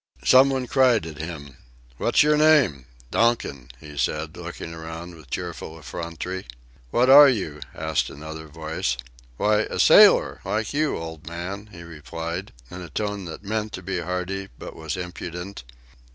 Some one cried at him: "What's your name?" "Donkin," he said, looking round with cheerful effrontery. "What are you?" asked another voice. "Why, a sailor like you, old man," he replied, in a tone that meant to be hearty but was impudent.